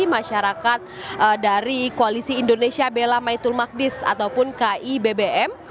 masyarakat dari koalisi indonesia bela maitul magdis ataupun ki bbm